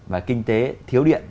và kinh tế thiếu điện